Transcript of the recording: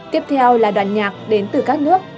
tiếp theo là đoàn nhạc đến từ các nước